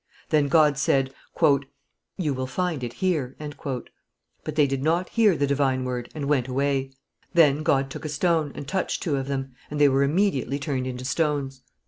Then God said, "You will find it here." But they did not hear the divine word, and went away. Then God took a stone and touched two of them, and they were immediately turned into stones.